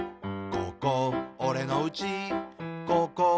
「ここ、おれのうち」